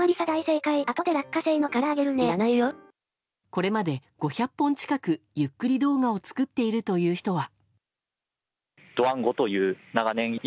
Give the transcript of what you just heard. これまで５００本近くゆっくり動画を作っているという人は。